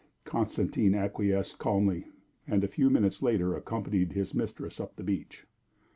Constantine acquiesced calmly, and a few minutes later accompanied his mistress up the beach.